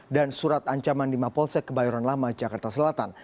dan surat ancaman di mapolsek kebayoran lama jakarta selatan